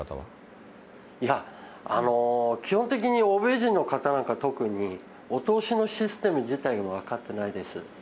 いや、基本的に欧米人の方なんか特にお通しのシステム自体が分かってないです。